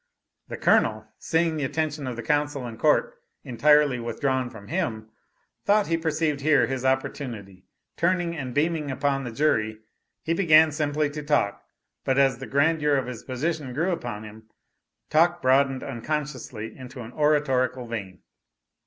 The Colonel seeing the attention of the counsel and Court entirely withdrawn from him, thought he perceived here his opportunity, turning and beaming upon the jury, he began simply to talk, but as the grandeur of his position grew upon him his talk broadened unconsciously into an oratorical vein.